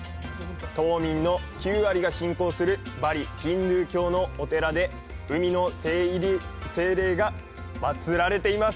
島民の９割が信仰するバリ・ヒンドゥー教のお寺で海の精霊が祭られています。